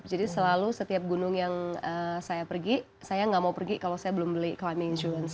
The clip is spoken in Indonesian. jadi selalu setiap gunung yang saya pergi saya nggak mau pergi kalau saya belum beli climbing insurance